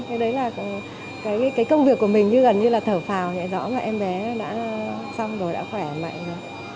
cái đấy là cái công việc của mình như gần như là thở phào nhẹ rõ là em bé đã xong rồi đã khỏe mạnh